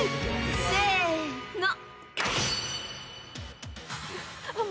［せの］